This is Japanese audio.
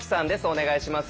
お願いします！